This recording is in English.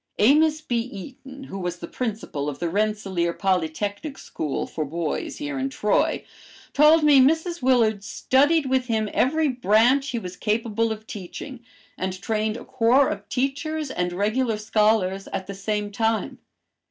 Amos B. Eaton, who was the principal of the Rensselaer Polytechnic School for boys here in Troy, told me Mrs. Willard studied with him every branch he was capable of teaching, and trained a corps of teachers and regular scholars at the same time.